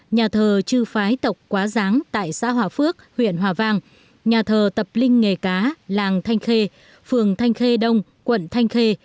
nhà thờ chư phái tộc quá giáng tại xã hòa phước huyện hòa vang nhà thờ tập linh nghề cá làng thanh khê phường thanh khê đông quận thanh khê